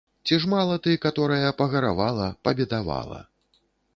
Ці ж мала ты, каторая, пагаравала, пабедавала?